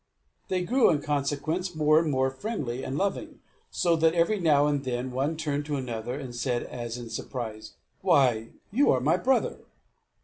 They grew in consequence more and more friendly and loving; so that every now and then one turned to another and said, as in surprise, "Why, you are my brother!"